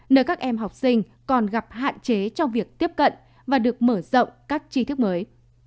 nơi các em học sinh còn gặp hạn chế trong việc tiếp cận và được mở rộng các chi thức mới